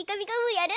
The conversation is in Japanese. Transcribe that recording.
やる？